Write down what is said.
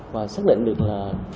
và xác định được là